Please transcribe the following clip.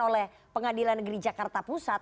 oleh pengadilan negeri jakarta pusat